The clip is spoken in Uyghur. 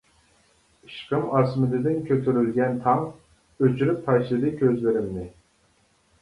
ئىشقىم ئاسمىنىدىن كۆتۈرۈلگەن تاڭ، ئۆچۈرۈپ تاشلىدى كۆزلىرىمنى.